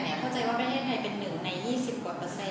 เข้าใจว่าภาครัฐไทยเป็นหนึ่งใน๒๐กว่า